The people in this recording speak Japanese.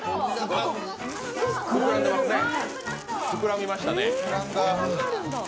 膨らみましたね。